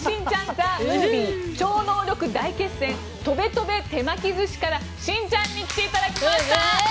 ＴＨＥＭＯＶＩＥ超能力大決戦とべとべ手巻き寿司」からしんちゃんに来ていただきました！